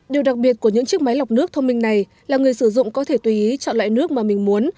điều đặc biệt của những chiếc máy lọc nước thông minh này là người sử dụng có thể tùy ý chọn loại nước mà mình muốn